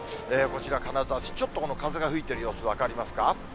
こちら、金沢市、ちょっと風が吹いてる様子、分かりますか。